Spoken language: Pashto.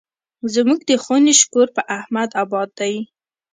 زموږ د خونې شکور په احمد اباد دی.